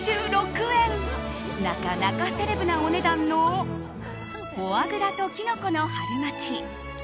なかなかセレブなお値段のフォアグラときのこの春巻。